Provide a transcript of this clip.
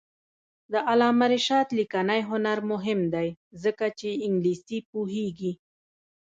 د علامه رشاد لیکنی هنر مهم دی ځکه چې انګلیسي پوهېږي.